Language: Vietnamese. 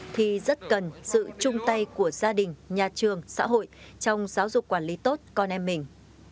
thì rất cần sự chung tay của gia đình nhà trường xã hội trong giáo dục quản lý tốt con em mình